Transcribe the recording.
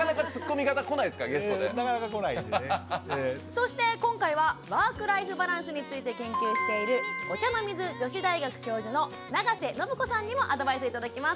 そして今回はワークライフバランスについて研究しているお茶の水女子大学教授の永瀬伸子さんにもアドバイスを頂きます。